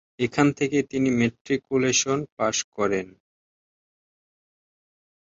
এখান থেকেই তিনি ম্যাট্রিকুলেশন পাশ করেন।